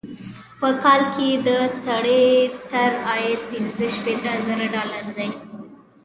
په کال کې یې د سړي سر عاید پنځه شپيته زره ډالره دی.